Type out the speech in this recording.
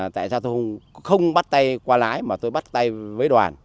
tại sao tôi không bắt tay qua lái mà tôi bắt tay với đoàn